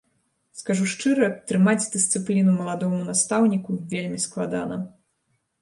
Скажу шчыра, трымаць дысцыпліну маладому настаўніку вельмі складана.